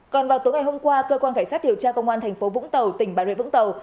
còn vào tối ngày hôm qua cơ quan cảnh sát điều tra công an thành phố vũng tàu tỉnh bà rệ vũng tàu